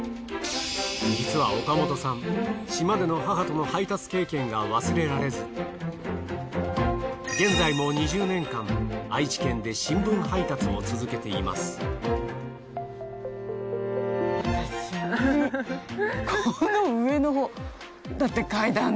実は岡本さん島での母との配達経験が忘れられず現在も２０年間愛知県で新聞配達を続けています。ねぇ。